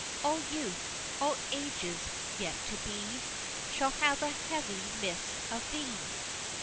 All youth all ages yet to be Shall have a heavy miss of thee!